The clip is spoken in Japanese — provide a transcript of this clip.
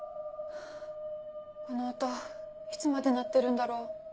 この音いつまで鳴ってるんだろう。